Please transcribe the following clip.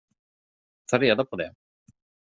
Ta reda på det!